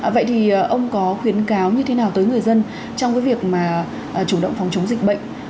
vậy thì ông có khuyến cáo như thế nào tới người dân trong cái việc mà chủ động phòng chống dịch bệnh